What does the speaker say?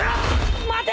待て！